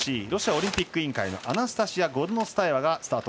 ＲＯＣ＝ロシアオリンピック委員会アナスタシヤ・ゴルノスタエワ。